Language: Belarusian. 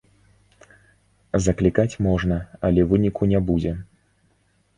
Заклікаць можна, але выніку не будзе.